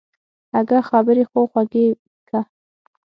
اگه خبرې خو خوږې که.